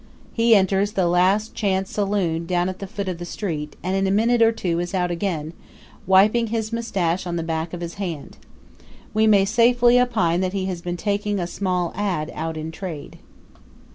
He enters the Last Chance Saloon down at the foot of the street and in a minute or two is out again, wiping his mustache on the back of his hand. We may safely opine that he has been taking a small ad. out in trade.